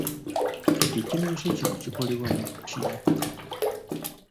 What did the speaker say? Ekinuuso kino kikolebwa mu ki?